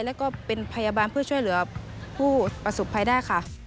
และเป็นพยาบาลเพื่อช่วยเหลือผู้ประสุนภัยได้